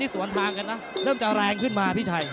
สวนทางกันนะเริ่มจะแรงขึ้นมาพี่ชัย